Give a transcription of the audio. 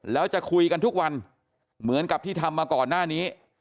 แล้วจะคุยกันทุกวันเหมือนกับที่ทำมาก่อนหน้านี้